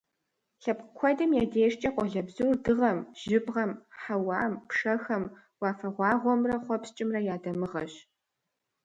Лъэпкъ куэдым я дежкӀэ къуалэбзур дыгъэм, жьыбгъэм, хьэуам, пшэхэм, уафэгъуагъуэмрэ хъуэпскӀымрэ я дамыгъэщ.